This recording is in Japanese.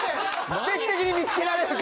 奇跡的に見つけられるか。